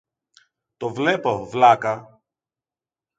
Το βλέπω, βλάκα!